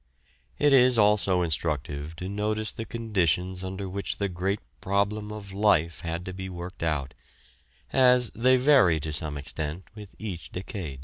It is also instructive to notice the conditions under which the great problem of life had to be worked out, as they vary to some extent with each decade.